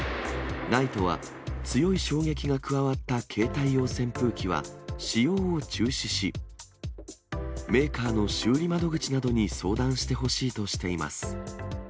ＮＩＴＥは強い衝撃が加わった携帯用扇風機は、使用を中止し、メーカーの修理窓口などに相談してほしいとしています。